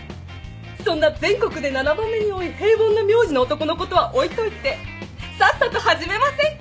そんな全国で７番目に多い平凡な名字の男のことは置いといてさっさと始めませんか？